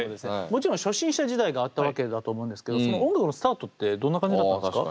もちろん初心者時代があったわけだと思うんですけどその音楽のスタートってどんな感じだったんですか？